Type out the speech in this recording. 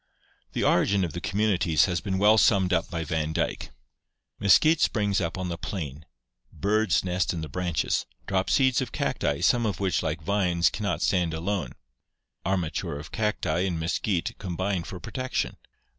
The origin of the communities has been well summed up by Van Dyke: "Mesquite springs up on the plain, birds nest in the branches, drop seeds of cacti some of which like vines cannot stand alone, armature of cacti and mesquite combine for protection.